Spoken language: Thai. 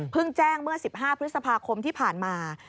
แจ้งเมื่อ๑๕พฤษภาคมที่ผ่านมา